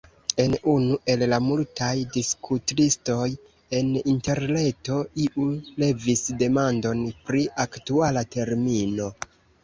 En unu el la multaj diskutlistoj en interreto iu levis demandon pri aktuala termino.